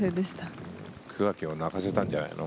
桑木を泣かせたんじゃないの？